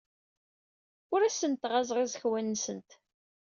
Ur asent-ɣɣazeɣ iẓekwan-nsent.